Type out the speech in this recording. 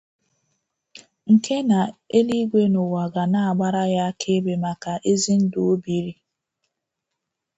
nke na eluigwe na ụwa ga na-agbara ya akaebe maka ezi ndụ o biri